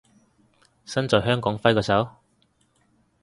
身在香港揮個手